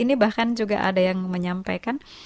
ini bahkan juga ada yang menyampaikan